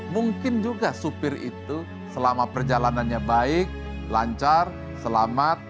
mungkin juga supir itu selama perjalanannya baik lancar selamat